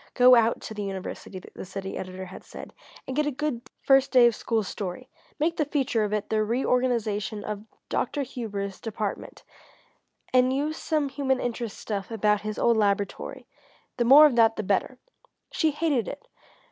"Go out to the university," the city editor had said, "and get a good first day of school story. Make the feature of it the reorganisation of Dr. Hubers' department, and use some human interest stuff about his old laboratory the more of that the better." She hated it!